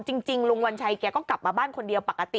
จริงลุงวัญชัยแกก็กลับมาบ้านคนเดียวปกติ